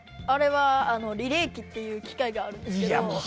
あれはリレー機っていう機械があるんですけど。